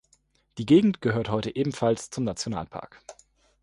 Die Gegend gehört heute ebenfalls zum Nationalpark.